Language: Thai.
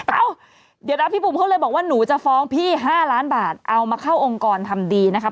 เอ้าเดี๋ยวนะพี่บุ๋มเขาเลยบอกว่าหนูจะฟ้องพี่๕ล้านบาทเอามาเข้าองค์กรทำดีนะครับ